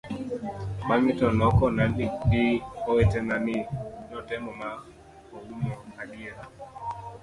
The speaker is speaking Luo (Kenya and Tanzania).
bang'e to nokona gi owetena ni notemo ma oumo adiera